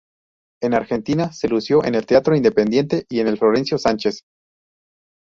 En Argentina se lució en el Teatro Independiente y en el Florencio Sánchez.